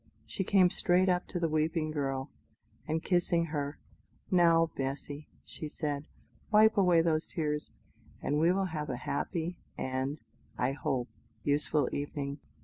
She came straight up to the weeping girl, and kissing her, "Now, Bessy," she said, "wipe away those tears, and we will have a happy and, I hope, useful evening.